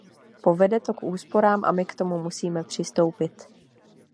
Povede to k úsporám a my k tomu musíme přistoupit.